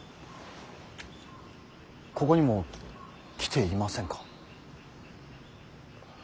ここにも来ていませんか。